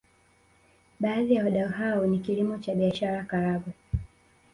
Baadhi ya wadau hao ni kilimo cha biashara Karagwe